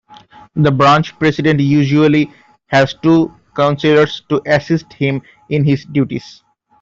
The branch president usually has two counselors to assist him in his duties.